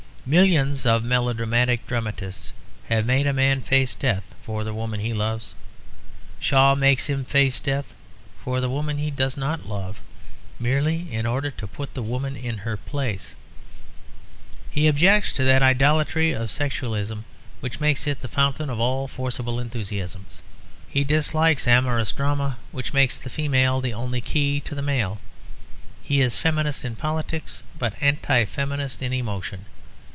Millions of melodramatic dramatists have made a man face death for the woman he loves; Shaw makes him face death for the woman he does not love merely in order to put woman in her place. He objects to that idolatry of sexualism which makes it the fountain of all forcible enthusiasms; he dislikes the amorous drama which makes the female the only key to the male. He is Feminist in politics, but Anti feminist in emotion.